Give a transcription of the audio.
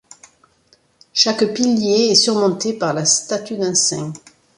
Chaque pilier est surmonté par la statue d'un saint.